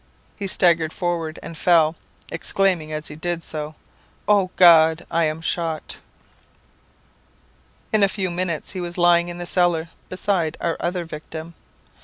He staggered forward and fell, exclaiming as he did so, 'O God, I am shot!' "In a few minutes he was lying in the cellar, beside our other victim.